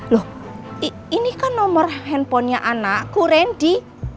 loh ini kan nomor handphonenya anakku rendy